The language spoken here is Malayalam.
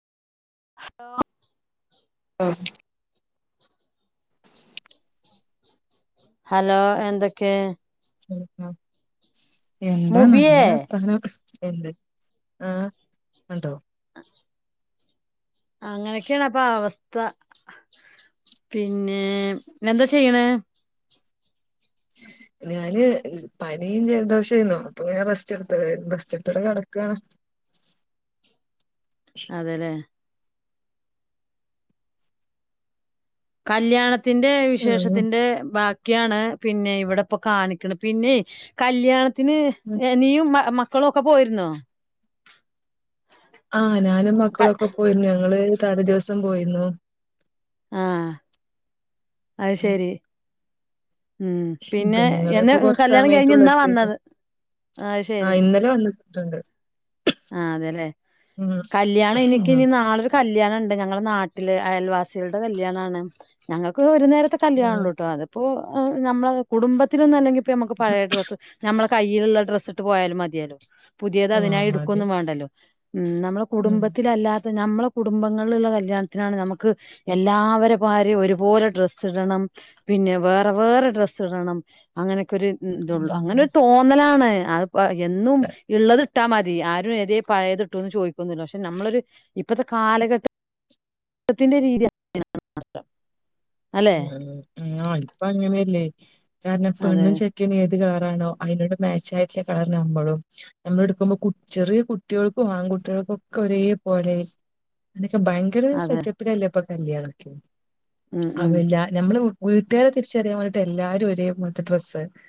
ഹലോ ലോ ഹലോ എന്തക്കെ എന്താ മുബിയേ നല്ല വർത്താനം എന്ത് ആഹ് ഇണ്ടോ അങ്ങനെക്കെണ് അപ്പ അവസ്ഥ പിന്നെ ഇന്ന് എന്താ ചെയ്യ്ണേ ഞാന് പനിയും ജൽദോഷേയിരുന്നു അപ്പ പിന്നെ റെസ്റ്റെടുത്ത് റെസ്റ്റേടുത്തിട്ട് കടക്കാണ് അതെ ലെ കല്യാണത്തിന്റെ ഉം വിശേഷത്തിന്റെ ബാ ക്കിയാണ് പിന്നെ ഇവടെ ഇപ്പൊ കാണിക്ക്ണെ പിന്നെ കല്യാണത്തിന് ഉം നീയും മ മ ക്കളൊക്ക പോയിര്ന്നോ ആഹ് ഞാനും മക്കളൊക്ക പോയിരുന്നു ഞങ്ങള് തലേ ദിവസം പോയിരുന്നു ആഹ് അയ് ഉം. ശരി ഉം പിന്നെ എന്നെ കല്യാണം കഴിഞ്ഞ് ഇന്നാ വന്നത് അത് ആ ശരി ഇന്നലെ വന്നിട്ടുണ്ട്. ആ അതെ ലെ ഉം കല്യാണം ഉം എനിക്കിനി നാളെ ഒരു കല്യാണ ഇണ്ട് ഞങ്ങളെ നാട്ടില് അയൽവാസികൾടെ കല്ല്യാണാണ് ക്ക് ഒരു നേരത്തെ കല്യാണള്ളൂട്ടോ അത് പ്പോ ഞമ്മളെ കുടുംബത്തിലൊന്നും അല്ലെങ്കിപ്പ നമ്മക്ക് പയെ ഡ്രെ സ് നമ്മളെ കയ്യില്ള്ള ഡ്രസ് ഇട്ട് പോയാലും മതിയെലോ പുതിയത് ആഹ് അതിനായി മതി ഇട്ക്കൊന്നും വേണ്ടല്ലോ ഉം നമ്മള ഉം കുടുംബത്തില് അല്ലാ ത്ത ഞമ്മളെ കുടുംബങ്ങൾല്ള്ള കല്യാൺത്തിനാണ് നമുക്ക് എല്ലാവര ഭാര്യ ഒരുപോലെ ഡ്രസ് ഇടണം പിന്നെ വേറെ വേറെ ഡ്രസ്സ് ഇടണം അങ്ങനെക്കെ ഒരു ഇതൊള്ളു അങ്ങനെ ഉം. തോന്നലാണ് അത്പ്പ എന്നും ഇള്ളത് ട്ടാ മതി ആരും ഏതേ പയെത് ഇട്ടൂന്ന് ചോയിക്കൊന്നില്ല പക്ഷെ നമ്മളൊരു ഇപ്പത്തെ കാലഘട്ട ട്ടത്തിന്റെ രീതി അല്ലെ ഉം ആ ഇപ്പ അങ്ങനെല്ലേ കാര്ണം അതെ പെണ്ണും ചെ ക്കന് ഏത് കളറാണോ അയിനോട് മാച്ചായിട്ട്ള്ള കളറ് നമ്മളും നമ്മള് ഇട്ക്കുമ്പം കു ചെറിയെ കുട്ടിയൾക്കും ആൺകുട്ടിയൾക്കൊക്ക ഒരേ പോലെ എന്ന് വെച്ച ഭയങ്കര അതെ സെറ്റപ്പിലല്ലേ ഇപ്പ കല്യാണൊക്കെ ഉം ഉം അവില്ല നമ്മള് വി വീട്ട്കാരെ തിരിച്ചറിയാം വേണ്ടിട്ട് എല്ലാരും ഒരേ പോൽത്തെ ഡ്രസ്സ്